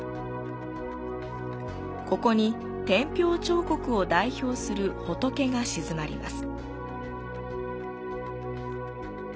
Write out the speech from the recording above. ここに天平彫刻を代表する仏が鎮まります。